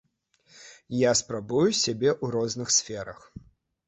Я спрабую сябе ў розных сферах.